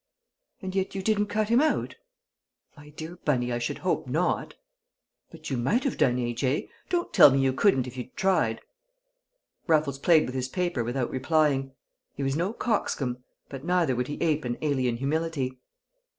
"And yet you didn't cut him out!" "My dear Bunny, I should hope not." "But you might have done, A.J.; don't tell me you couldn't if you'd tried." Raffles played with his paper without replying. He was no coxcomb. But neither would he ape an alien humility.